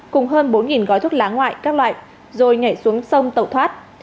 cùng hơn bốn gói thuốc lá ngoại các loại rồi nhảy xuống sông tẩu thoát